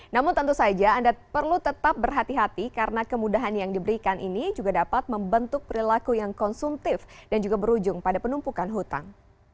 namun tentu saja anda perlu tetap berhati hati karena kemudahan yang diberikan ini juga dapat membentuk perilaku yang konsumtif dan juga berujung pada penumpukan hutang